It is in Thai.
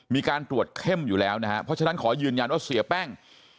มีการตรวจเข้มอยู่แล้วนะฮะเพราะฉะนั้นขอยืนยันว่าเสียแป้ง